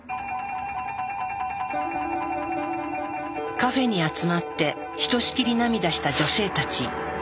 カフェに集まってひとしきり涙した女性たち。